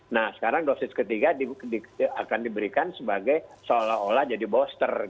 nah sekarang dosis ketiga akan diberikan sebagai seolah olah jadi booster